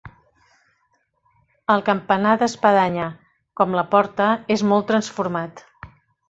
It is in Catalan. El campanar d'espadanya, com la porta, és molt transformat.